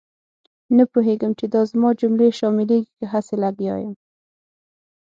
نه پوهېږم چې دا زما جملې شاملېږي که هسې لګیا یم.